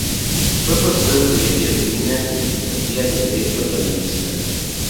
Fue profesor de Derecho de Minas y de Filosofía del Derecho en la Universidad.